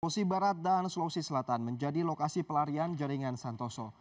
posi barat dan sulawesi selatan menjadi lokasi pelarian jaringan santoso